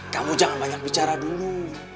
kamu jangan banyak bicara dulu